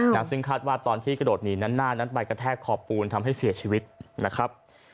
นะซึ่งคาดว่าตอนที่กระโดดหนีนั้นหน้านั้นไปกระแทกขอบปูนทำให้เสียชีวิตนะครับ